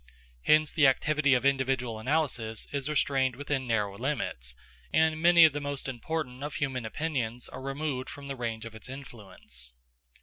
Hence the activity of individual analysis is restrained within narrow limits, and many of the most important of human opinions are removed from the range of its influence.